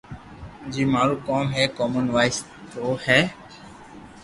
جيم مارو ڪوم ڪومن وائس تو ھي